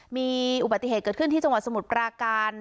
มีอุบัติเหตุเกิดขึ้นที่จังหวัดสมุทรปราการ